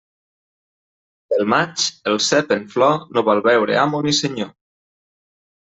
Pel maig, el cep en flor no vol veure amo ni senyor.